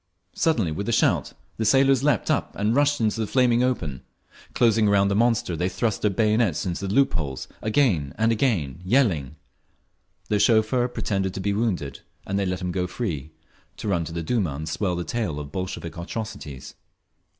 Suddenly, with a shout, the sailors leaped up and rushed into the flaming open; closing around the monster, they thrust their bayonets into the loop holes, again and again, yelling… The chauffeur pretended to be wounded, and they let him go free—to run to the Duma and swell the tale of Bolshevik atrocities….